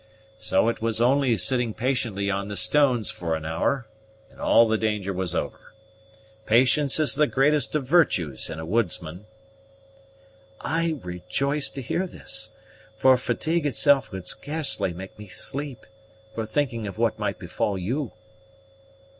So it was only sitting patiently on the stones for an hour, and all the danger was over. Patience is the greatest of virtues in a woodsman." "I rejoice to hear this, for fatigue itself could scarcely make me sleep, for thinking of what might befall you."